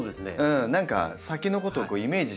何か先のことをイメージしながら。